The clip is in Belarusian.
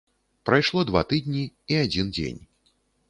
Прайшло два тыдні і адзін дзень.